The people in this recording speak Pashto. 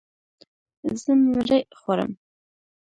زه مړۍ خورم.